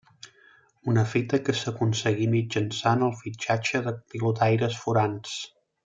Una fita que s'aconseguí mitjançant el fitxatge de pilotaires forans.